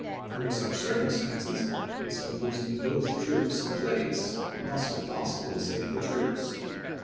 Under such circum stances, instead of losing both troops and place, peKX>u° we must, if possible, save the troops.